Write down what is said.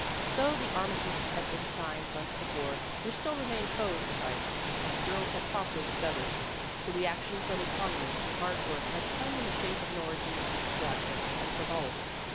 Though the armistice had been signed months before, there still remained foes to fight, as the girls had promptly discovered. The reaction from economy and hard work had come in the shape of an orgy of extravagance and frivolity.